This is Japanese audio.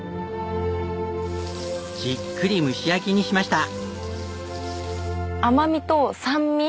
じっくり蒸し焼きにしました。